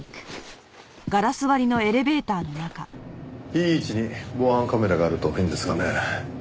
いい位置に防犯カメラがあるといいんですがね。